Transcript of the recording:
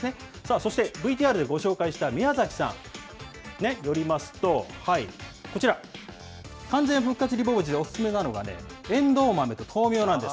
そして、ＶＴＲでご紹介した宮崎さんによりますと、こちら、完全復活リボベジでお勧めなのは、えんどう豆と豆苗なんです。